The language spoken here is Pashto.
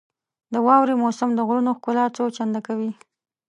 • د واورې موسم د غرونو ښکلا څو چنده کوي.